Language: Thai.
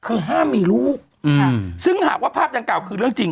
คือห้ามมีลูกซึ่งหากว่าภาพดังกล่าคือเรื่องจริง